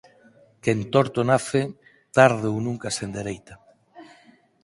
Quen torto nace, tarde ou nunca se endereita